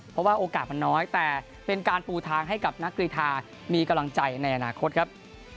เพราะว่าโอกาสมันน้อยแต่เป็นการปูทางให้กับนักกรีธามีกำลังใจในอนาคตครับ